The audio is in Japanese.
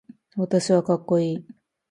私はかっこいい